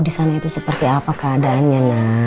disana itu seperti apa keadaannya